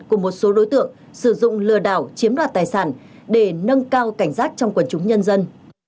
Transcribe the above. của một số đối tượng sử dụng lừa đảo chiếm đoạt tài sản để nâng cao cảnh giác trong quần chúng nhân dân